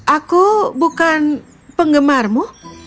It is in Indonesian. aku bukan penggemarmu